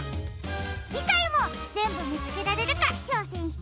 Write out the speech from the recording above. じかいもぜんぶみつけられるかちょうせんしてみてね！